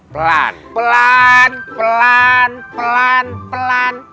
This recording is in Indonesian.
pelan pelan pelan pelan pelan